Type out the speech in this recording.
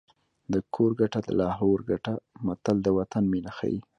د کور ګټه د لاهور ګټه متل د وطن مینه ښيي